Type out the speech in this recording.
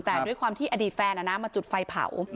แต่ด้วยความที่อดีตแฟนมาจุดไฟเผา